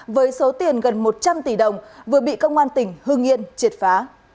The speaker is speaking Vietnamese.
với số tiền gần một trăm linh tỷ đồng vừa bị công an tỉnh hương yên triệt phá